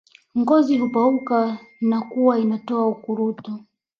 Ngozi hupauka na kuwa inatoa ukurutu